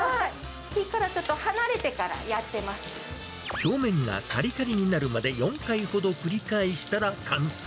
火からちょっと離れてからや表面がかりかりになるまで４回ほど繰り返したら完成。